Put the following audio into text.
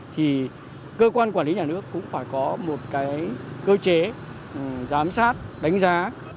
thì cơ quan quản lý nhà nước cũng phải có một cơ chế giám sát đánh giá